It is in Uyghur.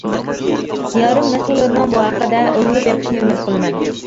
دىيارىم مەسئۇللىرىنىڭ بۇ ھەققىدە ئويلىنىپ بېقىشىنى ئۈمىد قىلىمەن.